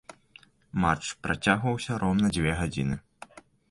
Матч працягваўся роўна дзве гадзіны.